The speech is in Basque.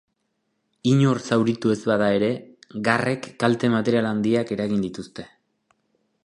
Inor zauritu ez bada ere, garrek kalte material handiak eragin dituzte.